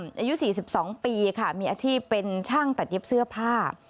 อายุ๔๒ปีค่ะมีอาชีพเป็นช่างตัดเย็บเสื้อผ้า